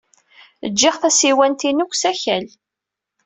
Ǧǧiɣ tasiwant-inu deg usakal.